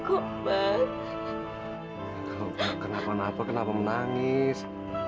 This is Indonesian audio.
kau bang kenapa kenapa kenapa menangis